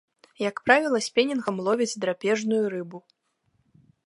Як правіла, спінінгам ловяць драпежную рыбу.